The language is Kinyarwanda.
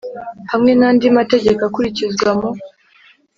Hamwe n andi mategeko akurikizwa mu